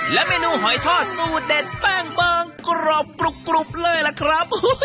และเมนูหอยทอดสูตรเด็ดแป้งเบิ้งกรอบกรุบเลยล่ะครับ